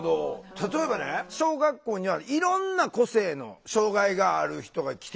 例えばね小学校にはいろんな個性の障害がある人が来てるよね？